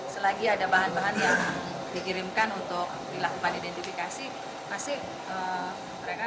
selagi ada bahan bahan yang dikirimkan untuk dilakukan identifikasi pasti mereka